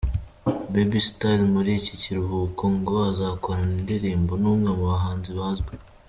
Baby Style muri iki kiruhuko ngo azakorana indirimbo n'umwe mu bahanzi bazwi.